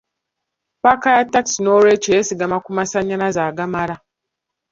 Paaka ya takisi n'olwekyo yeesigama ku masanyalaze agamala.